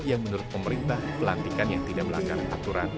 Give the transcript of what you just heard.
yang menurut pemerintah pelantikan yang tidak melanggar aturan